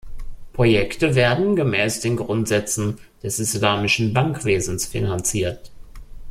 Projekte werden gemäß den Grundsätzen des Islamischen Bankwesens finanziert.